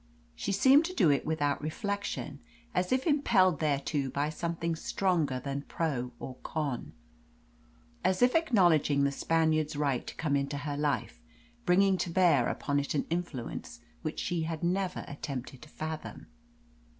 She seemed to do it without reflection, as if impelled thereto by something stronger than pro or con, as if acknowledging the Spaniard's right to come into her life, bringing to bear upon it an influence which she never attempted to fathom.